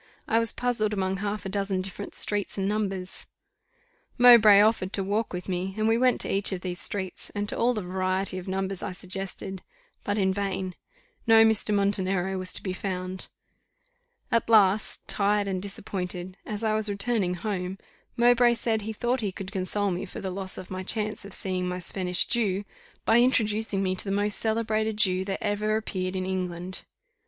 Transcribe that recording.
I was puzzled among half a dozen different streets and numbers: Mowbray offered to walk with me, and we went to each of these streets, and to all the variety of numbers I suggested, but in vain; no Mr. Montenero was to be found. At last, tired and disappointed, as I was returning home, Mowbray said he thought he could console me for the loss of my chance of seeing my Spanish Jew, by introducing me to the most celebrated Jew that ever appeared in England.